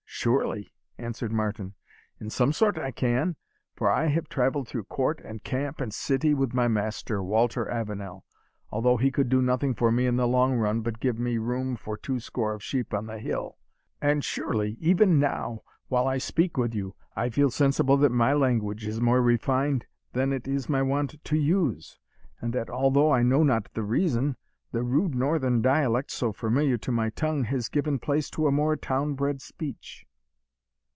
"Surely," answered Martin, "in some sort I can; for I have travelled through court, and camp, and city, with my master, Walter Avenel, although he could do nothing for me in the long run, but give me room for two score of sheep on the hill and surely even now, while I speak with you, I feel sensible that my language is more refined than it is my wont to use, and that though I know not the reason the rude northern dialect, so familiar to my tongue, has given place to a more town bred speech."